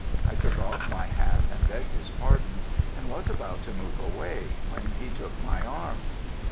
I took off my hat and begged his pardon, and was about to move away, when he took my arm.